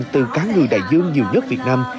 từ các người đại dương nhiều nhất việt nam